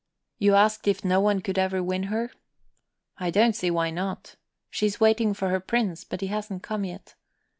"You asked if no one could ever win her? I don't see why not. She is waiting for her prince, and he hasn't come yet.